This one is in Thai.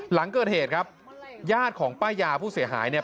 หลังเกิดเหตุครับญาติของป้ายาผู้เสียหายเนี่ย